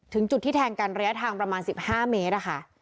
ถึงจุดที่แทงกันระยะทางประมาณ๑๕เมตรค่ะ